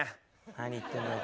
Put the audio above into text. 何言ってんだよ